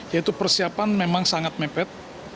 yaitu persiapan memang sangat mepet